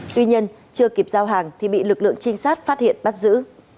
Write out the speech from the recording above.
tuy nhiên chưa kịp giao hàng thì bị lực lượng trinh sát phát hiện bắt giữ